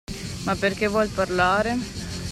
Ma perché vuol parlare?